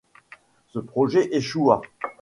Ce projet échoua.